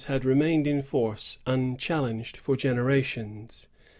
had remained in force unchallenged for generations.